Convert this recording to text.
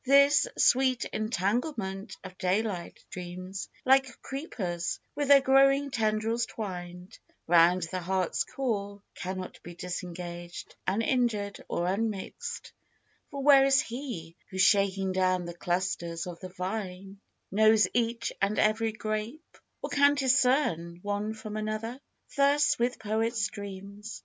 This sweet entanglement of daylight dreams, Like creepers, with their growing tendrils twined Round the heart's core, cannot be disengaged Uninjured or unmixed, for where is he Who shaking down the clusters of the vine Knows each and ev'ry grape, or can discern One from another ? Thus with poet's dreams